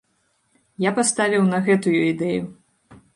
Я паставіў на гэтую ідэю!